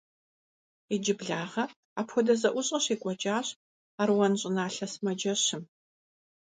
Иджыблагъэ апхуэдэ зэӀущӀэ щекӀуэкӀащ Аруан щӀыналъэ сымаджэщым.